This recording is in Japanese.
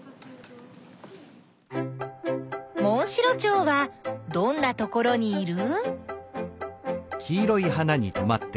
モンシロチョウはどんなところにいる？